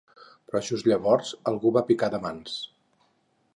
Però just llavors algú va picar de mans.